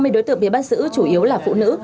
hai mươi đối tượng bị bắt giữ chủ yếu là phụ nữ